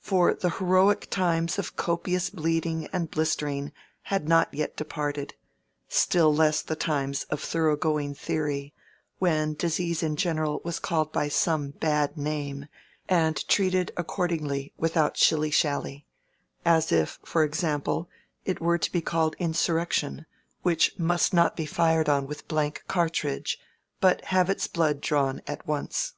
For the heroic times of copious bleeding and blistering had not yet departed, still less the times of thorough going theory, when disease in general was called by some bad name, and treated accordingly without shilly shally—as if, for example, it were to be called insurrection, which must not be fired on with blank cartridge, but have its blood drawn at once.